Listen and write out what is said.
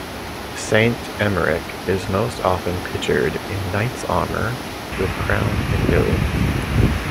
Saint Emeric is most often pictured in knight's armour with crown and lily.